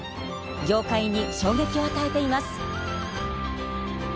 業界に衝撃を与えています。